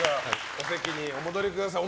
お席にお戻りください